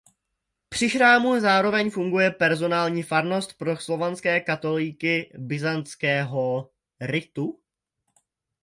Při chrámu zároveň funguje personální farnost pro slovenské katolíky byzantského ritu.